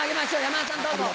山田さんどうぞ。